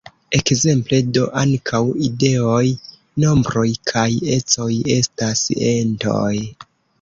Ekzemple do, ankaŭ ideoj, nombroj kaj ecoj estas entoj.